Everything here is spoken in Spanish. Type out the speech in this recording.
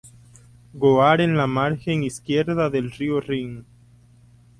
Goar en la margen izquierda del río Rin.